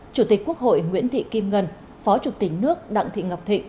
chủ tịch quốc hội nguyễn thị kim ngân phó chủ tịch nước đặng thị ngọc thịnh